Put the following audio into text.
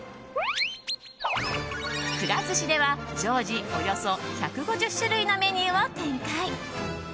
くら寿司では常時およそ１５０種類のメニューを展開。